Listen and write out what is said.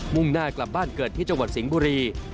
่งหน้ากลับบ้านเกิดที่จังหวัดสิงห์บุรี